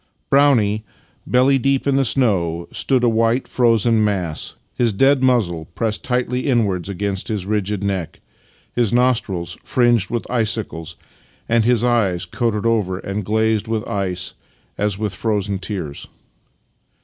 Brownie, belly deep in the snow, stood a white frozen mass, his dead muzzle pressed tightly inwards against his rigid neck, his nostrils fringed with icicles, and his eyes coated over and glazed with ice as with frozen tears.